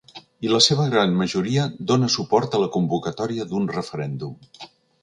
I la seva gran majoria dóna suport a la convocatòria d’un referèndum.